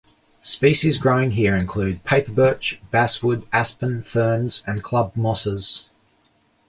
Species growing here include paper birch, basswood, aspen, ferns and club mosses.